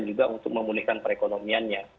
dan juga untuk memulihkan perekonomiannya